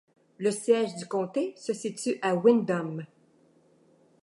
Le siège du comté se situe à Windom.